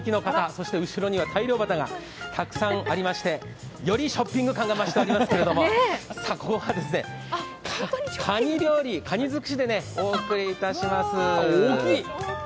そして、後ろには大漁旗がありましてよりショッピング感がましていますけれどもここはカニ料理、カニ尽くしでお送りいたします。